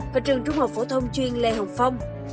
và trường trung học phổ thông chuyên lê hồng phong